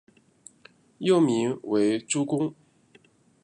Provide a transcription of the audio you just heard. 幼名为珠宫。